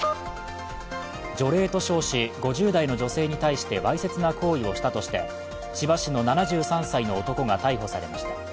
除霊と称し、５０代の女性に対してわいせつな行為をしたとして千葉市の７３歳の男が逮捕されました。